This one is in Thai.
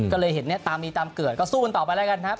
ก็เลยเห็นตามนี้ตามเกิดก็สู้ต่อไปแล้วกันนะครับ